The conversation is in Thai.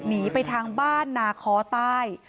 หนีไปทางบ้านนาคอใต้